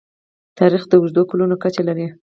تاریخ د اوږدو کلونو کچه لري.